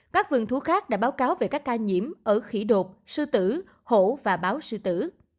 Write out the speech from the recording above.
các vườn thú khác đã báo cáo về các ca nhiễm ở khỉ đột sư tử hổ và báo sư tử